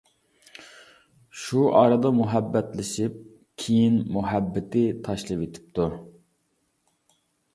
شۇ ئارىدا مۇھەببەتلىشىپ، كېيىن مۇھەببىتى تاشلىۋېتىپتۇ.